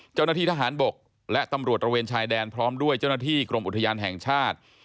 เจ้าหน้าที่ทหารบกและตำรวจตระเวนชายแดนพร้อมด้วยเจ้าหน้าที่กรมอุทยานแห่งชาติ